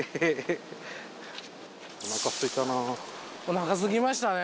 おなかすいたな。